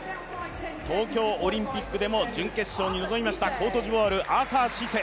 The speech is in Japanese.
東京オリンピックでも準決勝に臨みましたコートジボワール、アーサー・シセ。